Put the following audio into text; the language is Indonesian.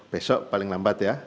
besok paling lambat ya